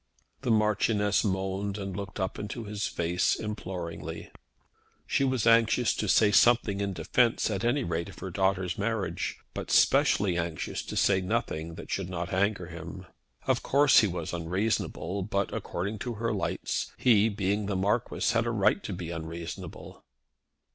The Marchioness moaned and looked up into his face imploringly. She was anxious to say something in defence, at any rate, of her daughter's marriage, but specially anxious to say nothing that should not anger him. Of course he was unreasonable, but, according to her lights, he, being the Marquis, had a right to be unreasonable.